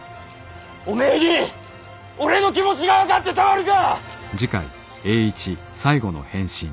おめぇに俺の気持ちが分かってたまるか！